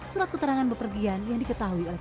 surat keterangan bepergian yang diketahui oleh